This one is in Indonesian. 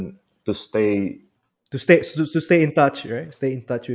dengan apa yang terjadi